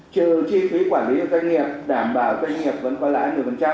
trừ chi phí quản lý của doanh nghiệp đảm bảo doanh nghiệp vẫn có lãi một mươi